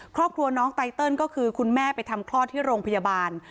ครอบครัวน้องไตเติลก็คือคุณแม่ไปทำคลอดที่โรงพยาบาล